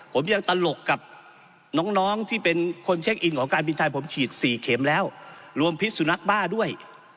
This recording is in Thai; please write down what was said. ผมยังตลกกับน้องที่เป็นคนเช็คอินของการบินไทยผมฉีด๔เข็มแล้วรวมพิษสุนัขบ้าด้วย